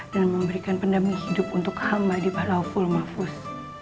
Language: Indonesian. dan memberikan pendamung hidup untuk hamba di pahlaw full mahfuz